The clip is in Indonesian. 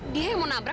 dia yang mau nabrak